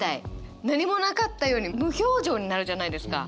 何もなかったように無表情になるじゃないですか。